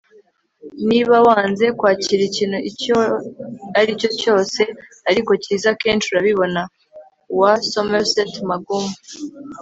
niba wanze kwakira ikintu icyo aricyo cyose ariko cyiza, akenshi urabibona. - w. somerset maugham